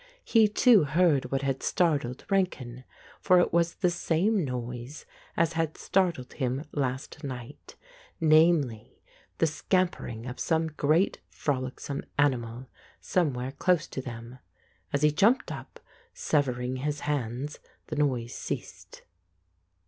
He too heard what had startled Rankin ; for it was the same noise as had startled him last night, namely, the scampering of some great frolicsome animal, somewhere close to them. As he jumped up, sever ing his hands, the noise ceased.